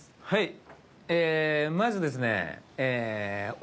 はい。